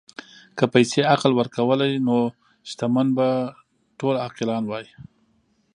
که پیسې عقل ورکولی، نو ټول شتمن به عاقلان وای.